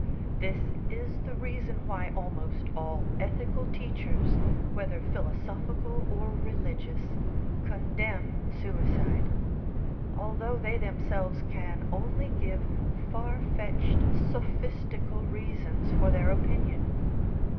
This is the reason why almost all ethical teachers, whether philosophical or religious, condemn suicide, although they themselves can only give far fetched sophistical reasons for their opinion.